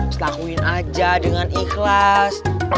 selakuin aja dengan ikhlas